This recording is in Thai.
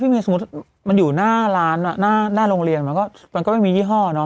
เมย์สมมุติมันอยู่หน้าร้านหน้าโรงเรียนมันก็ไม่มียี่ห้อเนาะ